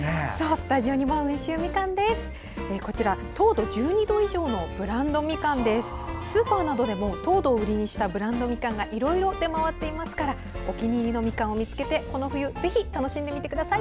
スーパーなどでも糖度を売りにしたブランドみかんがいろいろ出回っていますからお気に入りのみかんを見つけてこの冬、ぜひ楽しんでください。